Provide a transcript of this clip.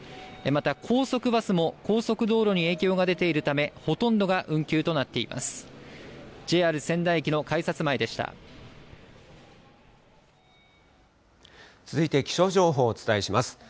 また高速バスも高速道路に影響が出ているため、ほとんどが運休となっています。